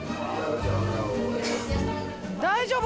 大丈夫？